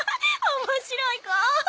面白い子！